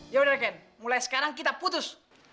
yaudah gendy mulai sekarang kita putus